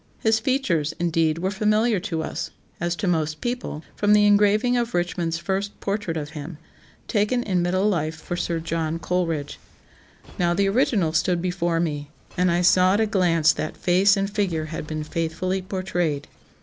His features, indeed, were familiar to us, as to most people, from the engraving of Richmond's first portrait of him, taken in middle life for Sir John Coleridge. Now the original stood before me, and I saw at a glance that face and figure had been faithfully portrayed.